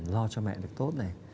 lo cho mẹ được tốt này